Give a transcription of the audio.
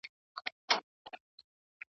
څومره ښایسته وې ماشومتوبه خو چي نه تېرېدای .